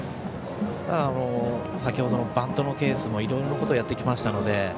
先程のバントのケースもいろいろなことをやってきました。